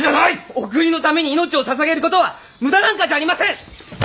お国のために命をささげる事は無駄なんかじゃありません！